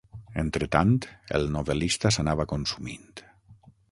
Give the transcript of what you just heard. Entretant el novel·lista s'anava consumint.